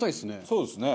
そうですね。